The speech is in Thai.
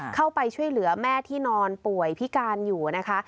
เข้าไปช่วยเหลือแม่ที่นอนป่วยพิการอยู่นะคะ